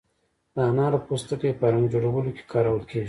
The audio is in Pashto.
د انارو پوستکی په رنګ جوړولو کې کارول کیږي.